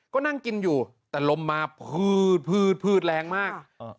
ก็นั่งกินอยู่แต่ลมมาพืชแรงมาก